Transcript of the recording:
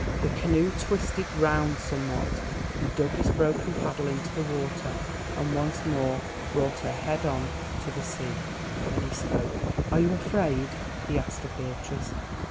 The canoe twisted round somewhat. He dug his broken paddle into the water and once more brought her head on to the sea. Then he spoke. "Are you afraid?" he asked of Beatrice.